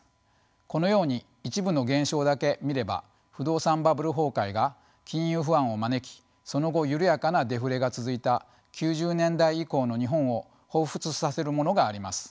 このように一部の現象だけ見れば不動産バブル崩壊が金融不安を招きその後緩やかなデフレが続いた９０年代以降の日本をほうふつさせるものがあります。